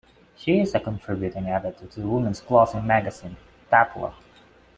She is a contributing editor to the women's glossy magazine "Tatler".